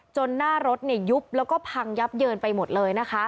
หน้ารถยุบแล้วก็พังยับเยินไปหมดเลยนะคะ